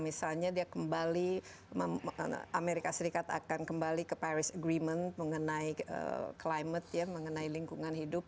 misalnya dia kembali amerika serikat akan kembali ke paris agreement mengenai climate ya mengenai lingkungan hidup